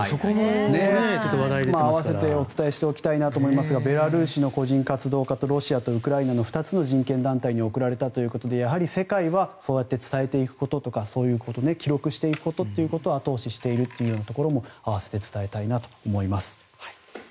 それもお伝えしていきたいですがベラルーシの個人活動家とロシアとウクライナの２つの人権団体に贈られたということで世界はそうやって伝えることで記録していくことで後押ししているというところも併せて伝えたいなと思います。